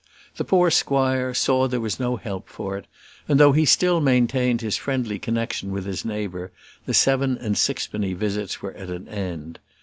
The poor squire saw there was no help for it, and though he still maintained his friendly connexion with his neighbour, the seven and sixpenny visits were at an end.